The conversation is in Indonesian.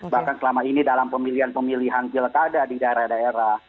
bahkan selama ini dalam pemilihan pemilihan pilkada di daerah daerah